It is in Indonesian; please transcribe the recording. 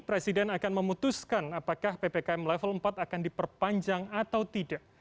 presiden akan memutuskan apakah ppkm level empat akan diperpanjang atau tidak